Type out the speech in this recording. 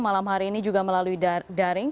malam hari ini juga melalui daring